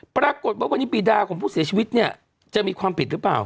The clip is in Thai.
ปรากฏว่าวันนี้ปีดาของผู้เสียชีวิตเนี่ยจะมีความผิดหรือเปล่า